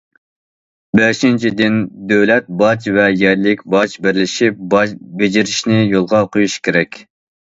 بەشىنچىدىن، دۆلەت باج ۋە يەرلىك باج بىرلىشىپ باج بېجىرىشنى يولغا قويۇش كېرەك.